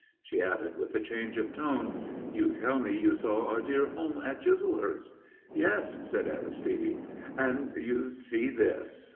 She added with a change of tone: "You tell me you saw our dear home at Chislehurst?" "Yes," said Aristide. "And you see this.